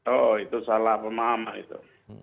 oh itu salah pemahaman itu